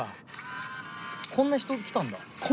こんな人来たんだ。